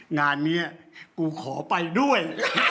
งานนี้กูขอไปด้วย